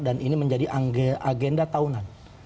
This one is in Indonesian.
dan ini menjadi agenda tahunan